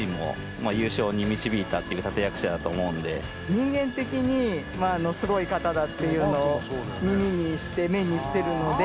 人間的にすごい方だっていうのを耳にして目にしてるので。